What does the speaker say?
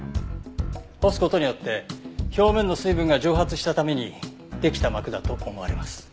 干す事によって表面の水分が蒸発したためにできた膜だと思われます。